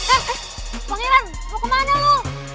eh pangeran mau ke mana lo